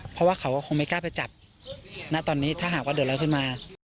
เพราะว่าเขาก็คงไม่กล้าไปจับณตอนนี้ถ้าหากว่าเดือดร้อนขึ้นมา